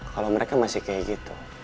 kalau mereka masih kayak gitu